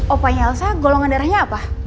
opahnya elsa golongan darahnya apa